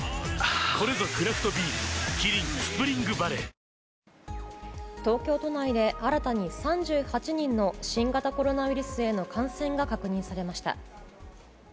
オミクロン株の市中感染は東京都内で、新たに３８人の新型コロナウイルスへの感染が確認されました。